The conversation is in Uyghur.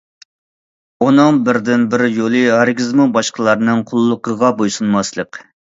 ئۇنىڭ بىردىنبىر يولى ھەرگىزمۇ باشقىلارنىڭ قۇللۇقىغا بويسۇنماسلىق.